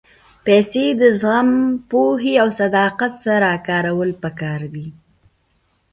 پېسې د زغم، پوهې او صداقت سره کارول پکار دي.